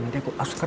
nanti aku oscar